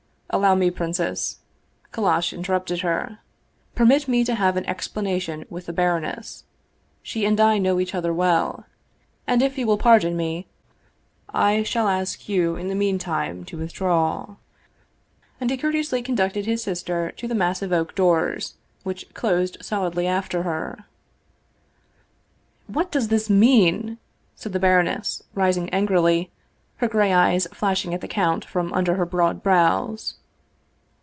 " Allow me, princess," Kallash interrupted her, " per mit me to have an explanation with the baroness; she and I know each other well. And if you will pardon me, I shall ask you in the meantime to withdraw." And he courteously conducted his sister to the massive oak doors, which closed solidly after her. "What does this mean?" said the baroness, rising angrily, her gray eyes flashing at the count from under her broad brows.